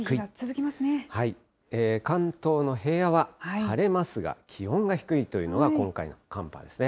関東の平野は晴れますが、気温が低いというのが、今回の寒波ですね。